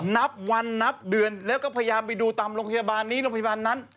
นับวันนับเดือนแล้วก็พยายามไปดูตามโรงพยาบาลนี้โรงพยาบาลนั้น